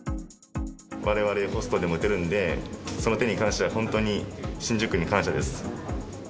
われわれホストでも打てるんで、その点に関しては、本当に新宿区に感謝です。